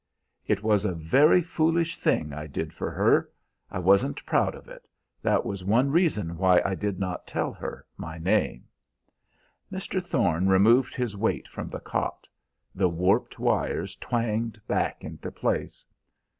"It was a very foolish thing I did for her; I wasn't proud of it. That was one reason why I did not tell her my name." Mr. Thorne removed his weight from the cot. The warped wires twanged back into place.